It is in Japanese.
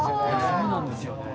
そうなんですよね。